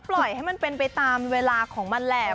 ปล่อยให้มันเป็นไปตามเวลาของมันแหละ